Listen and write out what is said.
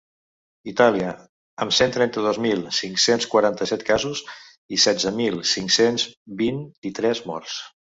Itàlia, amb cent trenta-dos mil cinc-cents quaranta-set casos i setze mil cinc-cents vint-i-tres morts.